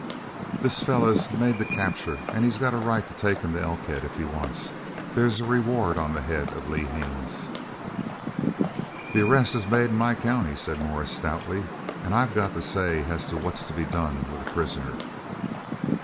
"This feller made the capture an' he's got the right to take him into Elkhead if he wants. They's a reward on the head of Lee Haines." "The arrest is made in my county," said Morris stoutly, "an' I've got the say as to what's to be done with a prisoner."